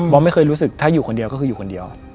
ไม่เคยรู้สึกถ้าอยู่คนเดียวก็คืออยู่คนเดียว